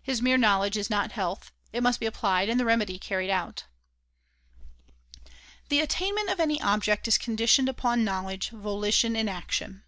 His mere knowledge is not health ; it must be applied and the remedy carried out. The attainment of any object is conditioned upon knowledge, volition and action.